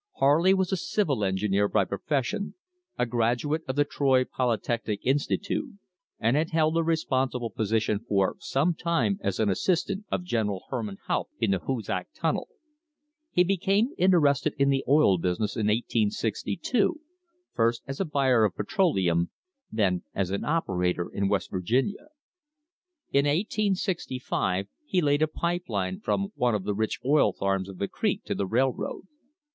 Harley was a civil engineer tyy profession, a graduate of the Troy Polytechnic Institute, and had held a responsible position for some time as an assist ant of General Herman Haupt in the Hoosac Tunnel. He became interested in the oil business in 1862, first as a buyer of petroleum, then as an operator in West Virginia. In 1865 he laid a pipe line from one of the rich oil farms of the creek to the railroad.